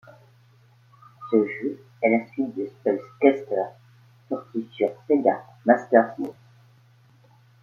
Ce jeu est la suite de SpellCaster sorti sur Sega Master System.